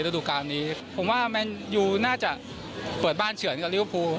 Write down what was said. ทัวร์ดูกามนี้ผมว่าแมนยูน่าจะเปิดบ้านเฉื่อนกับลิ้วภู